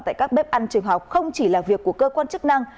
tại các bếp ăn trường học không chỉ là việc của cơ quan chức năng